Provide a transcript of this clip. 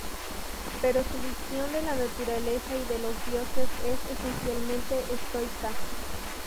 Pero su visión de la naturaleza y de los dioses es esencialmente estoica.